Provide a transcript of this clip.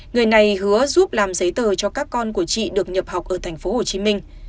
người này hứa giúp làm giấy tờ cho các con của chị được nhập học ở tp hcm